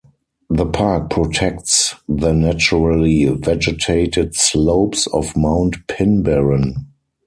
The park protects the naturally vegetated slopes of Mount Pinbarren.